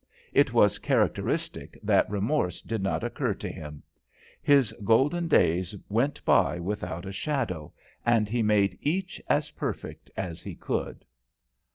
It was characteristic that remorse did not occur to him. His golden days went by without a shadow, and he made each as perfect as he could.